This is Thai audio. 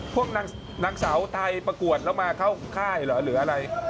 พวกนางสาวไทยประกวดแล้วมาเข้าค่ายเหรอหรืออะไร